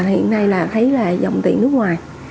hiện nay là thấy là dòng tiền nước ngoài